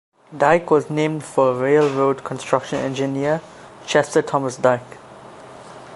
Dike was named for railroad construction engineer Chester Thomas Dike.